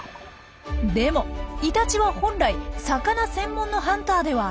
でもイタチは本来魚専門のハンターではありません。